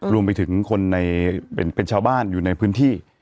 รวมไปถึงคนในเป็นชาวบ้านอยู่ในพื้นที่